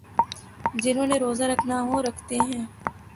جنہوں نے روزہ رکھنا ہو رکھتے ہیں۔